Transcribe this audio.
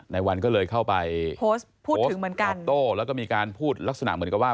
นายวันก็เลยเข้าไปพูดรับโต้แล้วก็มีการพูดลักษณะเหมือนกับว่า